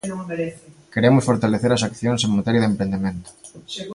Queremos fortalecer as accións en materia de emprendemento.